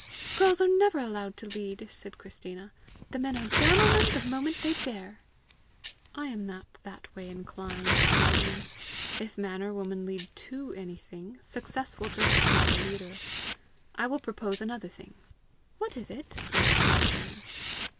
"Girls are never allowed to lead!" said Christina. "The men are down on them the moment they dare!" "I am not that way inclined," answered Ian. "If man or woman lead TO anything, success will justify the leader. I will propose another thing!" "What is it?" asked Christina.